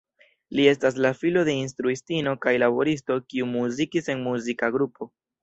Li estas la filo de instruistino kaj laboristo kiu muzikis en muzika grupo.